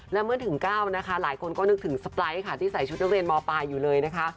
และเมื่อถึง๙นะคะหลายคนก็นึกถึงสไปร์ทค่ะที่ใส่ชุดนักเรียนมปลายอยู่เลยนะคะ